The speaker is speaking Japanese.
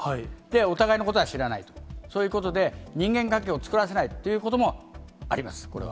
お互いのことは知らないと、そういうことで、人間関係を作らせないということもあります、これは。